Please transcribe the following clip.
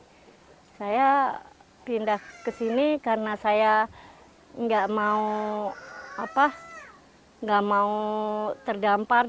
jadi saya pindah ke sini karena saya nggak mau terdampar